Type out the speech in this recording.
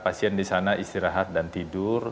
pasien di sana istirahat dan tidur